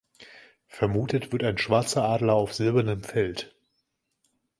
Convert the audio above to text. Vermutet wird ein schwarzer Adler auf silbernen Feld.